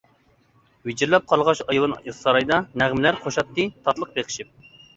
ۋىچىرلاپ قارلىغاچ ئايۋان سارايدا، نەغمىلەر قوشاتتى تاتلىق بېقىشىپ.